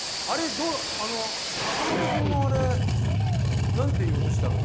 坂本君のあれ、何て言おうとしたの？